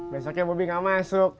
besoknya bobi gak masuk